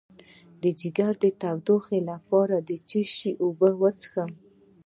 د ځیګر د تودوخې لپاره د څه شي اوبه وڅښم؟